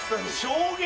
衝撃。